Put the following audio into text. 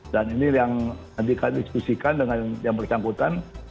dan ini yang nanti kita diskusikan dengan yang bersangkutan